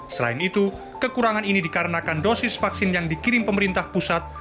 selain itu kekurangan ini dikarenakan dosis vaksin yang dikirim pemerintah pusat